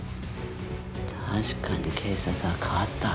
確かに警察は変わったわね。